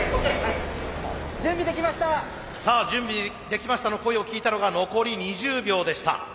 「準備できました」の声を聞いたのが残り２０秒でした。